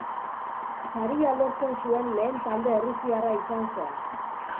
Saria lortzen zuen lehen talde errusiarra izan zen.